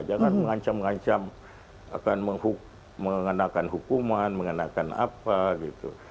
jangan mengancam mengancam akan mengenakan hukuman mengenakan apa gitu